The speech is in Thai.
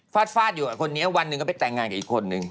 ฟาดอยู่กับคนนี้วันหนึ่งก็ไปแต่งงานกับอีกคนนึง